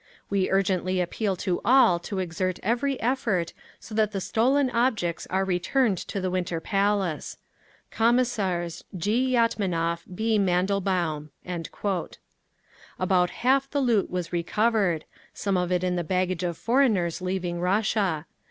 "We urgently appeal to all to exert every effort, so that the stolen objects are returned to the Winter Palace. "Commissars…. "G. YATMANOV, B. MANDELBAUM." About half the loot was recovered, some of it in the baggage of foreigners leaving Russia.